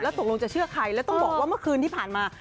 ตกลงจะเชื่อใครแล้วต้องบอกว่าเมื่อคืนที่ผ่านมา